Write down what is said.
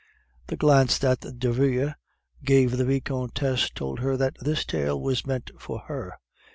The glance that Derville gave the Vicomtesse told her that this tale was meant for her.